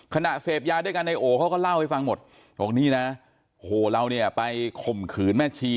ขณะเสพยาด้วยกันในโอเขาก็เล่าให้ฟังหมดบอกนี่นะโหเราเนี่ยไปข่มขืนแม่ชี